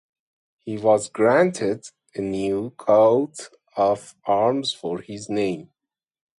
He was granted a new Coat of Arms for his name.